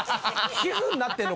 皮膚になってるの？